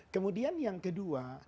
kemudian yang kedua